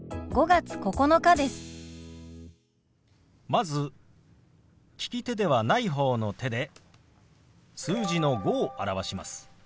まず利き手ではない方の手で数字の「５」を表します。